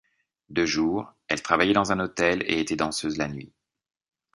De jour, elle travaillait dans un hôtel et était danseuse la nuit.